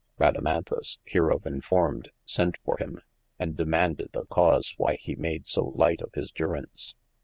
Radamanthus hereof enformed, sent for him, and demaunded the cause why he made so light of his duraunce